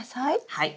はい。